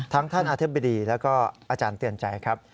ท่านอธิบดีแล้วก็อาจารย์เตือนใจครับ